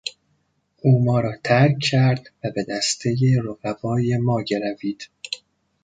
او ما را ترک کرد و به دستهی رقبای ما گروید.